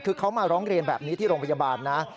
คือเขามาร้องเรียนแบบนี้ที่โรงพยาบาลนะ